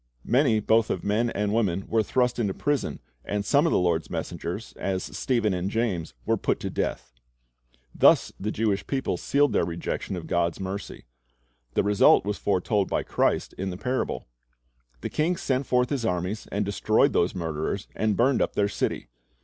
"' Many both of men and women were thrust into prison, and some of the Lord's messengers, as Stephen and James, were put to death. Thus the Jewish people sealed their rejection of God's 1 Acts 8 : i IV i til out a \V c ddi n o; Gar in c n t 309 mercy. The result was foretold by Christ in the parable. The king "sent forth his armies, and destroyed those murderers, and burned up their city."